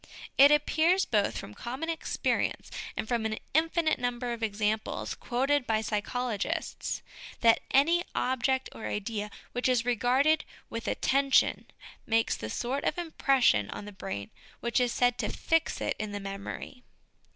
It appears, both from common experience and from an infinite number of examples quoted by psychologists, that any object or idea which is regarded with attention makes the sort of impression on the brain which is said to fix it in the memory.